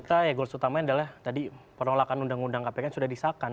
kita ya goals utamanya adalah tadi penolakan undang undang kpk yang sudah disahkan